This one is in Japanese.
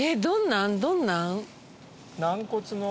どんなん？